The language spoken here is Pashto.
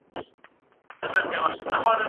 که جنایت زیات سي نو امنیت خرابیږي.